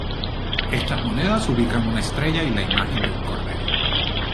Estas monedas ubican una estrella y la imagen de un cordero.